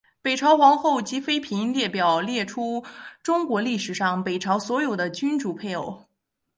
北朝皇后及妃嫔列表列出中国历史上北朝所有的君主配偶。